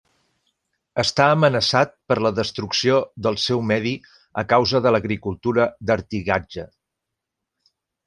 Està amenaçat per la destrucció del seu medi a causa de l'agricultura d'artigatge.